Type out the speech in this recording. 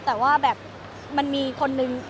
แต่ว่ามันมีคนหนึ่ง